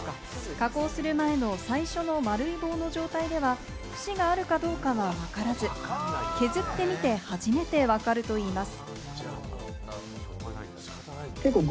加工する前の最初の丸い棒の状態では節があるかどうかはわからず、削ってみて初めて分かるといいます。